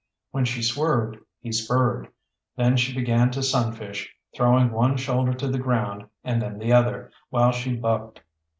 When she swerved he spurred, then she began to sunfish, throwing one shoulder to the ground, and then the other, while she bucked.